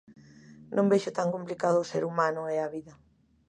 Non vexo tan complicado o ser humano e a vida.